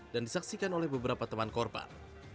dan disaksikan oleh beberapa teman korban